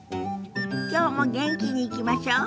きょうも元気にいきましょう。